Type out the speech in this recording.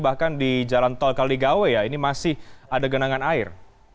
bahkan di jalan tol kaligawe ya ini masih ada genangan air